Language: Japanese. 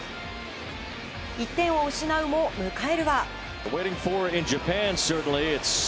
１点を失うも迎えるは。